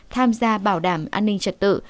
tham gia bảo đảm an ninh trật tự